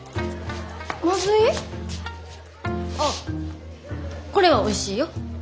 あっこれはおいしいよ。